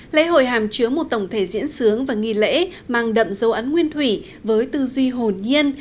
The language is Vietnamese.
lễ hội hàm chứa một tổng thể diễn sướng và nghi lễ mang đậm dấu ấn nguyên thủy với tư duy hồn nhiên